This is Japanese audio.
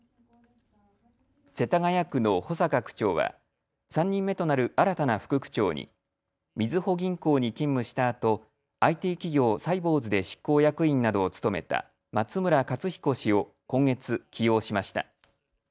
世田谷区の保坂区長は３人目となる新たな副区長に、みずほ銀行に勤務したあとＩＴ企業サイボウズで執行役員などを務めた松村克彦氏を今月、起用しました。